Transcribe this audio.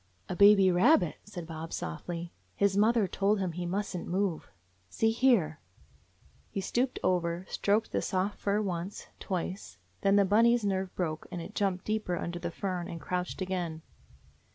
"A baby rabbit," said Bob softly. "His mother told him he must n't move. See here !" He stooped over, stroked the soft fur, once, twice — then Bunny's nerve broke, and it jumped deeper under the fern and crouched again.